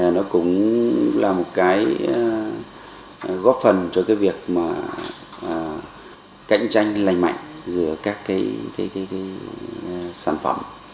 nó cũng là một cái góp phần cho cái việc mà cạnh tranh lành mạnh giữa các cái sản phẩm